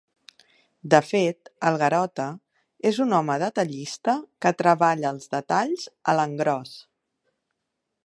De fet, el Garota és un home detallista que treballa els detalls a l'engròs.